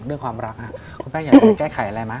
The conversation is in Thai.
เรื่องความรักคุณแป้งอยากจะแก้ไขอะไรมั้ย